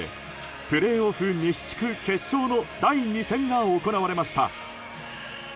プレーオフ西地区決勝の第２戦が行われました。